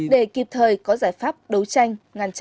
để kịp thời có giải pháp đấu tranh ngăn chặn